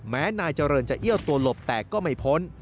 นายเจริญจะเอี้ยวตัวหลบแต่ก็ไม่พ้น